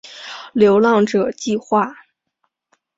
流浪者计画